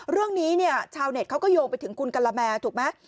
เรื่องนี้เนี่ยชาวเน็ตเขาก็โยงไปถึงคุณกะละแมถูกไหม